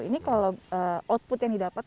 ini kalau output yang didapat